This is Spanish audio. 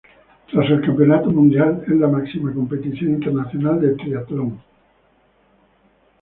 Tras el Campeonato Mundial, es la máxima competición internacional de triatlón.